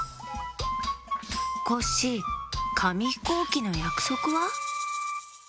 コッシーかみひこうきのやくそくは？